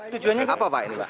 tujuannya apa pak